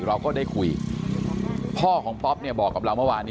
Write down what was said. เราก็ได้คุยพ่อของป๊อปเนี่ยบอกกับเราเมื่อวานนี้